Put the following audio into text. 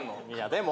でも。